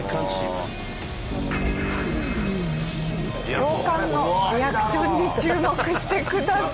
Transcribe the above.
教官のリアクションに注目してください。